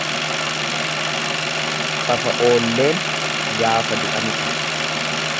Fafa oolleen gaafa du'anidha.